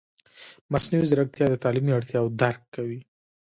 مصنوعي ځیرکتیا د تعلیمي اړتیاوو درک کوي.